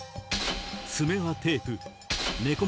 爪はテープねこ